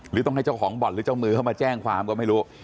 หรือต้องให้เจ้าของบ่อนหรือเจ้ามือเข้ามาแจ้งความก็ไม่รู้